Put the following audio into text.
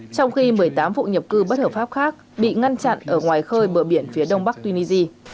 trong khi một mươi tám vụ nhập cư bất hợp pháp khác bị ngăn chặn ở ngoài khơi bờ biển phía đông bắc tunisia